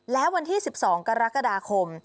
และวันที่๑๒กรกฎาคม